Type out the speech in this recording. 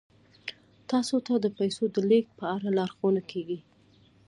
تاسو ته د پیسو د لیږد په اړه لارښوونه کیږي.